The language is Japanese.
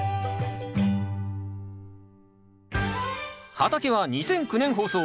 「畑」は２００９年放送。